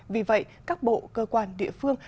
vì vậy các bộ cơ quan địa phương